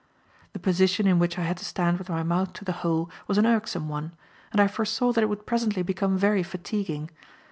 The position in which I had to stand with my mouth to the hole was an irksome one, and I foresaw that it would presently become very fatiguing.